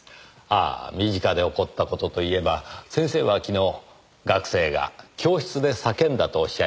ああ身近で起こった事といえば先生は昨日学生が教室で叫んだとおっしゃいましたねぇ。